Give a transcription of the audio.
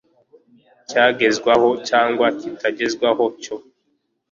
cyagezweho cyangwa kitagezweho cyo